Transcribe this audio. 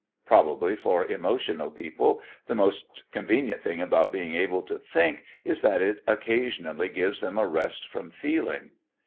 Probably, for emotional people, the most convenient thing about being able to think is that it occasionally gives them a rest from feeling.